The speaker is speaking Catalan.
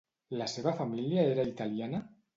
La seva família era italiana?